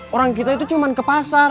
orang kita itu cuma ke pasar